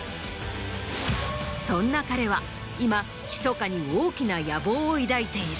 そんな彼は今ひそかに大きな野望を抱いている。